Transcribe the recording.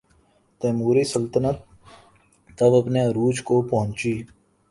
تیموری سلطنت تب اپنے عروج کو پہنچی۔